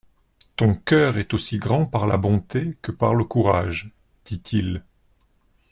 Ton coeur est aussi grand par la bonté que par le courage, dit-il.